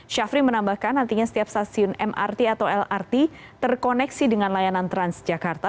syafri menambahkan nantinya setiap stasiun mrt atau lrt terkoneksi dengan layanan transjakarta